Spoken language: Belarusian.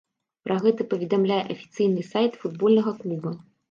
Пра гэта паведамляе афіцыйны сайт футбольнага клуба.